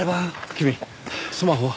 君スマホは？